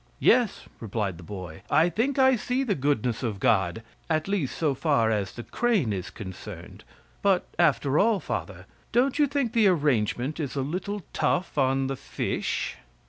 "Yes" replied the boy, "I think I see the goodness of God, at least so far as the crane is concerned: but after all, father, don't you think the arrangement a little tough on the fish?"